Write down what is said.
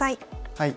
はい。